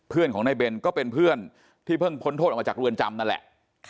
เพื่อนของนายเบนก็เป็นเพื่อนที่เพิ่งพ้นโทษออกมาจากเรือนจำนั่นแหละ